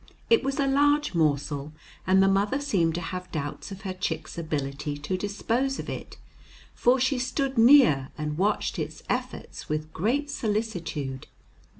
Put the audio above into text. It was a large morsel, and the mother seemed to have doubts of her chick's ability to dispose of it, for she stood near and watched its efforts with great solicitude.